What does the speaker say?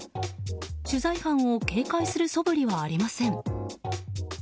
取材班を警戒するそぶりはありません。